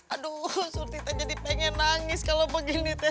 aduh surti teh jadi pengen nangis kalau begini teh